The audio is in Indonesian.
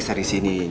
mas aku mau pulang